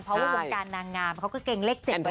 เพราะว่าวงการนางงามเค้าก็เกรงเลข๗ไปเหมือนกัน